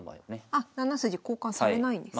あっ７筋交換されないんですね。